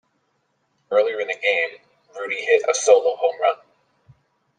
Earlier in the game, Rudi hit a solo home run.